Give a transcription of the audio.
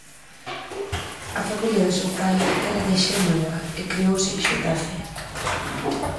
A familia do seu pai era de Xénova e criouse en Xetafe.